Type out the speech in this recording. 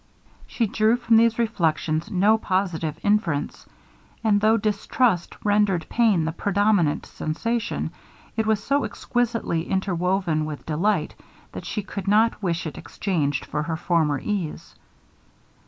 She drew from these reflections no positive inference; and though distrust rendered pain the predominate sensation, it was so exquisitely interwoven with delight, that she could not wish it exchanged for her former ease.